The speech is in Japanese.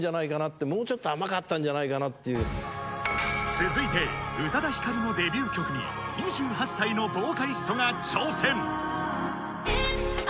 続いて宇多田ヒカルのデビュー曲に２８歳のボーカリストが挑戦